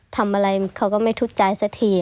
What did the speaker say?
ทำอะไรเขาก็ไม่ทุกข์ใจสักที